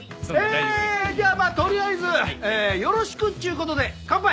えーじゃあまあとりあえずよろしくっちゅう事で乾杯。